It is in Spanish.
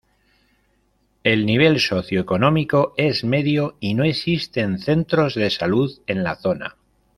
El nivel socioeconómico es medio y no existen centros de salud en la zona.